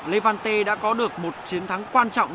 levante đã có được một chiến thắng quan trọng